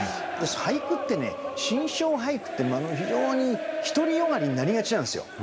俳句ってね心象俳句って非常に独り善がりになりがちなんですよ。